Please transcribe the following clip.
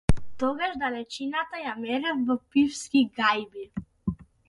Тогаш далечината ја мерев во пивски гајби.